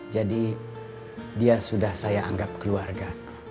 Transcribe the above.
jadi dia sudah saya anggap keluarga